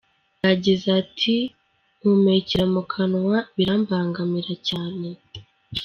Yagize ati “Mpumekera mu kanwa birambangamira cyane.